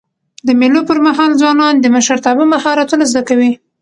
د مېلو پر مهال ځوانان د مشرتابه مهارتونه زده کوي.